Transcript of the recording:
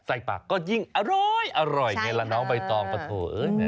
ใส่ปากก็ยิ่งอร้อยไงล่ะน้องใบตองปะโถเอ้ย